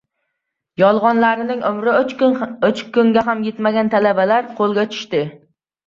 Yolgʻonlarining umri uch kunga ham yetmagan talabalar qoʻlga tushdi